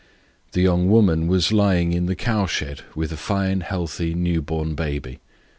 The young woman was lying in the cowshed with a fine, healthy, new born baby.